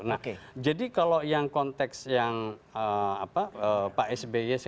nah jadi kalau yang konteks yang pak sby